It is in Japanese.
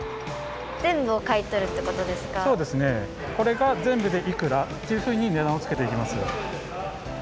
これがぜんぶでいくらというふうにねだんをつけていきます。